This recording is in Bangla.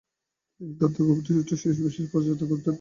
তিনি তার দুগ্ধবতী উটের বিশেষ পরিচর্যা করতেন।